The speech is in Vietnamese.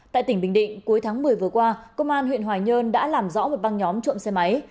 tại tỉnh bình định cuối tháng một mươi vừa qua công an huyện hoài nhơn đã làm rõ một băng nhóm trộm xe máy